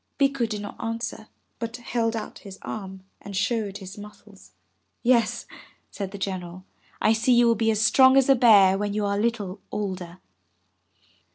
'' Bikku did not answer, but held out his arm and showed his muscles. "Yes," said the General, "I see you will be as strong as a bear when you are a little older.